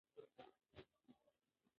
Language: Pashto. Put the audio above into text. دا یو ډېر اوږد او ستړی کوونکی سفر و.